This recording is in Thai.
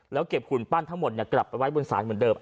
แล้วเก็บหุ่นปั้นทั้งหมดกลับไปไว้บนศาลเหมือนเดิม